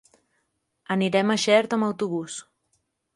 Anirem a Xert amb autobús.